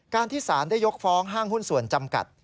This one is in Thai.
ที่สารได้ยกฟ้องห้างหุ้นส่วนจำกัด